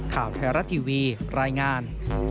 ข่าวไทยรัฐทีวีรายงาน